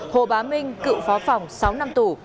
hồ bá minh cựu phó phòng sáu năm tù